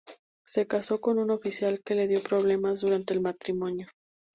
Se casó con un oficial que le dio problemas durante el matrimonio.